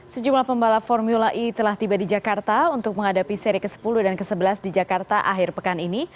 sejumlah pembalap formula e telah tiba di jakarta untuk menghadapi seri ke sepuluh dan ke sebelas di jakarta akhir pekan ini